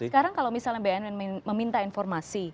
sekarang kalau misalnya bnn meminta informasi